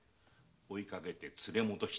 追いかけて連れ戻してくだされ。